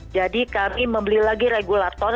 jadi kami membeli lagi regulator